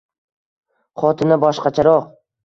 Xotini boshqacharoq.